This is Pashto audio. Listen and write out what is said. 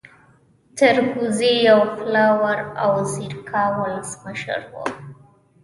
سرکوزی يو خوله ور او ځيرکا ولسمشر وو